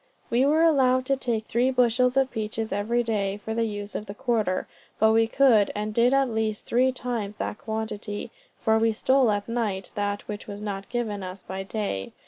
We were allowed to take three bushels of peaches every day, for the use of the quarter; but we could, and did eat at least three times that quantity, for we stole at night that which was not given us by day.